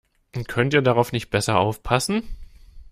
Könnt ihr darauf nicht besser aufpassen?